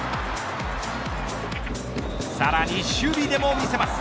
さらに守備でも見せます。